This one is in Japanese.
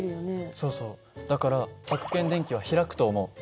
そうそうだからはく検電器は開くと思う。